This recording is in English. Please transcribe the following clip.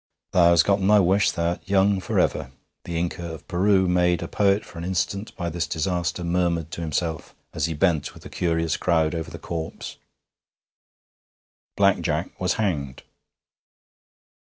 'Thou's gotten thy wish: thou'rt young for ever!' the Inca of Peru, made a poet for an instant by this disaster, murmured to himself as he bent with the curious crowd over the corpse. Black Jack was hanged.